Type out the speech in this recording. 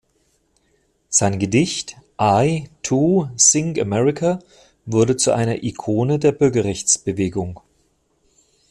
Sein Gedicht I, Too, Sing America wurde zu einer Ikone der Bürgerrechtsbewegung.